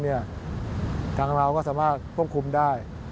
ทางเราก็สามารถควบคุมได้